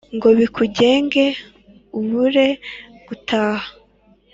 ngo bikugenge ubure gutaha